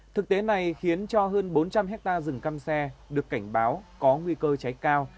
thực tế này khiến cho hơn bốn trăm linh hectare rừng cam xe được cảnh báo có nguy cơ cháy cao